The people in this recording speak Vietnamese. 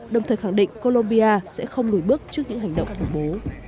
đồng thời khẳng định colombia sẽ không lùi bước trước những hành động khủng bố